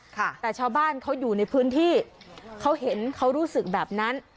แต่ชาวบ้านเขาอยู่ในพื้นที่เขาเห็นเขารู้สึกแบบนั้น